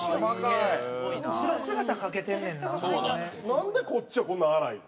なんでこっちはこんな荒いの？